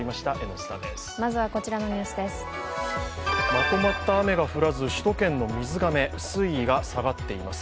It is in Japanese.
まとまった雨が降らず、首都圏の水がめ水位が下がっています。